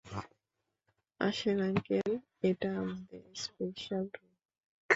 আসেন আঙ্কেল, এটা আপনার স্পেশাল রুম।